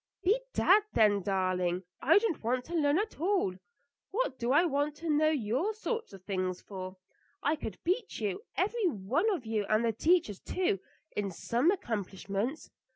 "Bedad, then, darling, I don't want to learn at all. What do I want to know your sort of things for? I could beat you, every one of you, and the teachers, too, in some accomplishments.